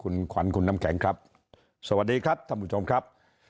สวัสดีครับท่านผู้ชมครับ